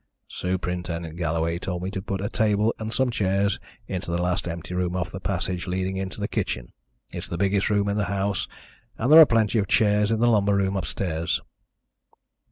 "Superintendent Galloway told me to put a table and some chairs into the last empty room off the passage leading into the kitchen. It's the biggest room in the house, and there are plenty of chairs in the lumber room upstairs."